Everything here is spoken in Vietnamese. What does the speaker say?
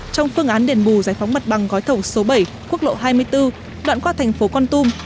trong phương án đền bù giải phóng mặt bằng gói thẩu số bảy quốc lộ hai mươi bốn đoạn qua thành phố con tum